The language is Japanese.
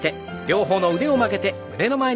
両方の腕を曲げて胸の前。